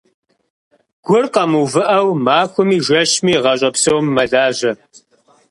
Гур къэмыувыӀэу, махуэми, жэщми, гъащӀэ псом мэлажьэ.